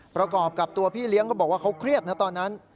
ประกอบกับตัวพี่เลี้ยงก็บอกว่าเขาเครียดนะตอนนั้น